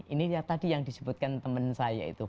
ini tadi yang disebutkan temen saya itu